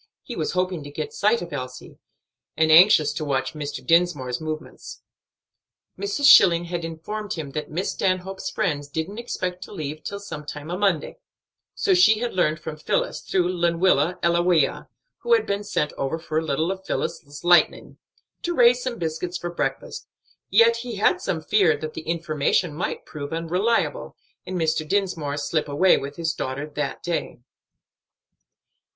He was hoping to get sight of Elsie, and anxious to watch Mr. Dinsmore's movements. Mrs. Schilling had informed him that "Miss Stanhope's friends didn't expect to leave till sometime a Monday; so she had learned from Phillis, through Lenwilla Ellawea, who had been sent over for a little of Phillis's light'ning, to raise some biscuits for breakfast," yet he had some fear that the information might prove unreliable, and Mr. Dinsmore slip away with his daughter that day.